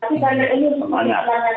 tapi karena ini memiliki kelembagaan terima